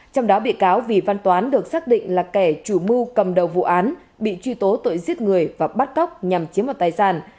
trong đó bị cáo vì văn toán được xác định là kẻ chủ mưu cầm đầu vụ án bị truy tố tội giết người và bắt cóc nhằm chiếm đoạt tài sản